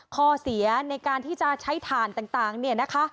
ข้อเสียในการที่จะใช้ฐานต่างเนี่ยนะคะ